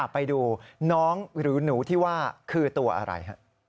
ไปดูน้องหรือหนูที่ว่าคือตัวอะไร